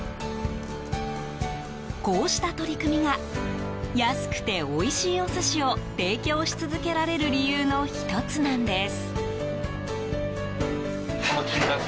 こうした取り組みが安くておいしいお寿司を提供し続けられる理由の１つなんです。